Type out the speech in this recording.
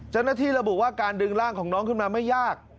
เจ้าหน้าที่ระบุว่าการดึงร่างของน้องขึ้นมาไม่ยาก